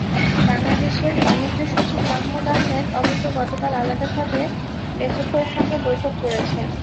বাংলাদেশের বাণিজ্যসচিব মাহবুব আহমেদ অবশ্য গতকাল আলাদাভাবে লেসোথোর সঙ্গে বৈঠক করেছেন।